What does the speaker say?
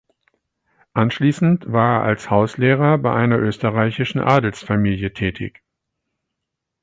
Anschließend war er als Hauslehrer bei einer österreichischen Adelsfamilie tätig.